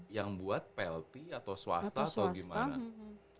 yang buat plt atau swasta atau gimana